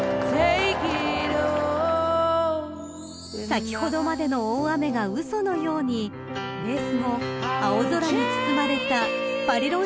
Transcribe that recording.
［先ほどまでの大雨が嘘のようにレース後青空に包まれたパリロンシャン競馬場］